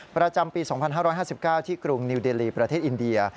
ประจำปี๒๕๕๙ที่กรุงนิวเดลีประเทศอินเดีย